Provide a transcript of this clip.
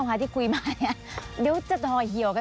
จะไม่ได้มาในสมัยการเลือกตั้งครั้งนี้แน่